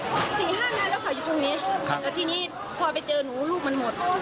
๔๕นาทีแล้วเขาอยู่ตรงนี้แต่ทีนี้พอไปเจอหนูลูกมันหมด